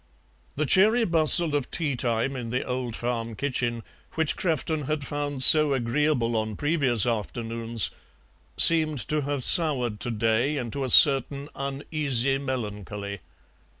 The cheery bustle of tea time in the old farm kitchen, which Crefton had found so agreeable on previous afternoons, seemed to have soured to day into a certain uneasy melancholy.